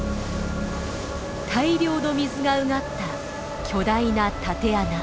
大量の水がうがった巨大な縦穴。